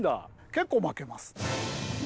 結構負けます。